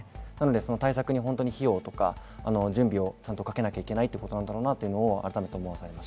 対策に費用とか準備をかけなきゃいけないということだと改めて思います。